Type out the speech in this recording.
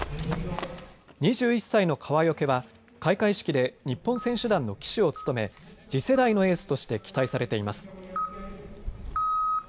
２１歳の川除は開会式で日本選手団の旗手を務め次世代のエースとして期待されています。